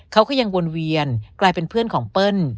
เขาก็ยังวนเวียนกลายเป็นเพื่อนของเปิ้ล